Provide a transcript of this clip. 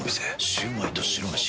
シュウマイと白めし。